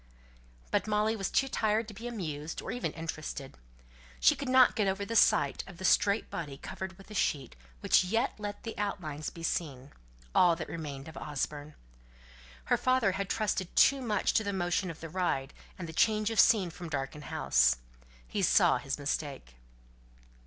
But Molly was too tired to be amused, or even interested. She could not get over the sight of the straight body covered with a sheet, which yet let the outlines be seen, all that remained of Osborne. Her father had trusted too much to the motion of the ride, and the change of scene from the darkened house. He saw his mistake.